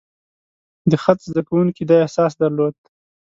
د خط زده کوونکي دا احساس درلود.